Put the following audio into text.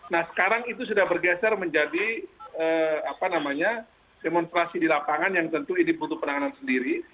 nah sekarang itu sudah bergeser menjadi demonstrasi di lapangan yang tentu ini butuh penanganan sendiri